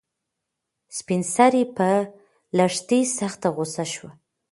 سپین سرې په لښتې سخته غوسه شوه.